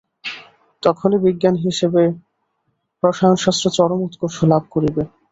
তখনই বিজ্ঞান-হিসাবে রসায়নশাস্ত্র চরম উৎকর্ষ লাভ করিবে।